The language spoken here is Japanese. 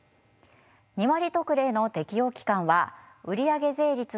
２割特例の適用期間は売り上げ税率の２割